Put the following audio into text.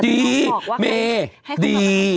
ดีเมดี